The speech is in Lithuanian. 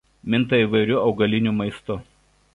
Minta įvairiu augaliniu maistu.